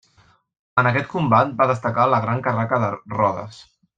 En aquest combat va destacar la gran carraca de Rodes.